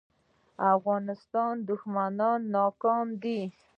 د افغانستان دښمنان ناکام دي